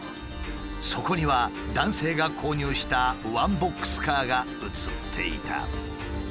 そこには男性が購入したワンボックスカーが写っていた。